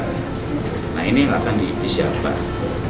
nah ini yang akan diibisi apa